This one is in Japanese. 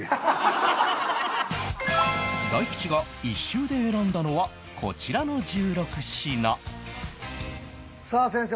大吉が一周で選んだのはこちらの１６品さあ先生